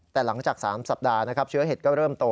แต่หลังจาก๓สัปดาห์นะครับเชื้อเห็ดก็เริ่มโต